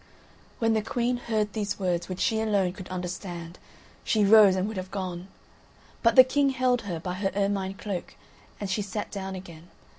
When the Queen heard these words which she alone could understand, she rose and would have gone. But the King held her by her ermine cloak, and she sat down again.